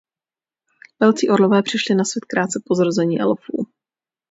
Velcí orlové přišli na svět krátce po zrození elfů.